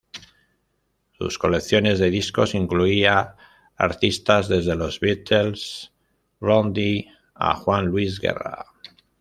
Sus colecciones de discos incluía artistas desde Los Beatles, Blondie a Juan Luis Guerra.